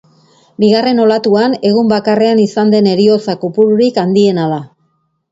Bigarren olatuan, egun bakarrean izan den heriotza kopururik handiena da.